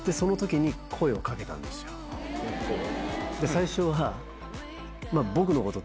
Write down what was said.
最初は。